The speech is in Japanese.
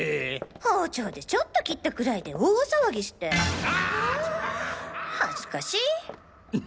包丁でちょっと切ったくらいで大騒ぎして恥ずかしい。